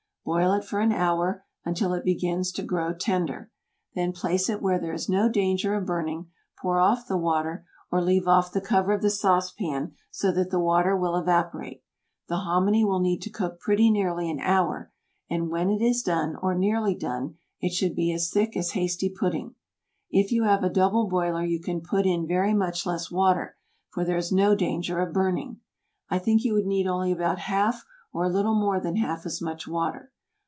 Boil it for an hour, until it begins to grow tender. Then place it where there is no danger of burning, pour off the water, or leave off the cover of the sauce pan so that the water will evaporate. The hominy will need to cook pretty nearly an hour, and when it is done or nearly done it should be as thick as hasty pudding. If you have a double boiler you can put in very much less water, for there is no danger of burning. I think you would need only about half or a little more than half as much water.